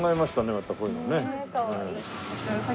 またこういうのね。